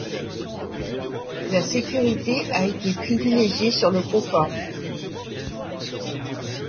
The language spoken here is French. La sécurité a été privilégiée sur le confort.